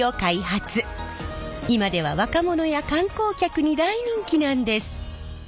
今では若者や観光客に大人気なんです！